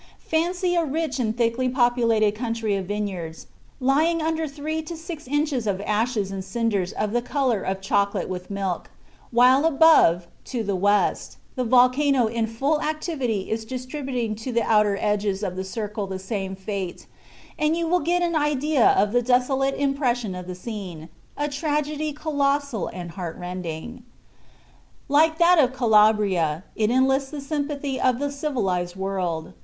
Fancy a rich and thickly populated country of vineyards lying under three to six inches of ashes and cinders of the color of chocolate with milk, while above, to the west, the volcano in full activity is distributing to the outer edges of the circle the same fate, and you will get an idea of the desolate impression of the scene, a tragedy colossal and heartrending. Like that of Calabria, it enlists the sympathy of the civilized world.